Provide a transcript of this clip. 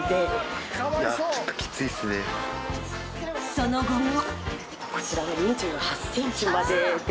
［その後も］